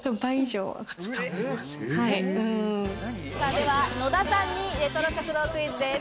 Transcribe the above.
では野田さんにレトロ食堂クイズです。